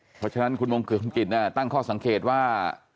เพราะฉะนั้นคุณวงค์คือคุณกินตั้งข้อสังเกตว่า